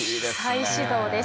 再始動です。